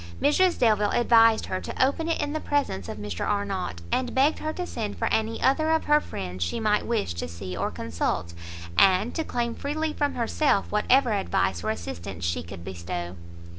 Mrs Delvile advised her to open it in the presence of Mr Arnott, and begged her to send for any other of her friends she might wish to see or consult, and to claim freely from herself whatever advice or assistance she could bestow.